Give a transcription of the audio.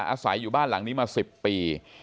อาศัยอยู่บ้านหลังนี้มา๑๐ปี